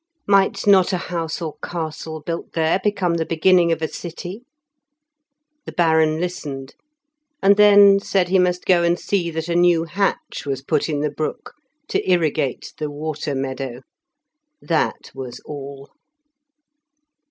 Might not a house or castle built there become the beginning of a city? The Baron listened, and then said he must go and see that a new hatch was put in the brook to irrigate the water meadow. That was all.